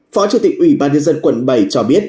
phó chủ tịch ủy ban nhân dân quận bảy cho biết